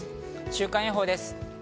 週間予報です。